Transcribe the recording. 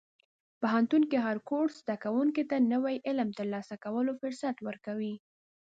پوهنتون کې هر کورس زده کوونکي ته د نوي علم ترلاسه کولو فرصت ورکوي.